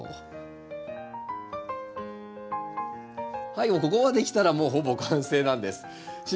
はいここまできたらもうほぼ完成なんです。